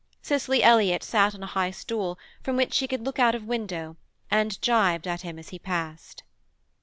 Cicely Elliott sat on a high stool from which she could look out of window and gibed at him as he passed.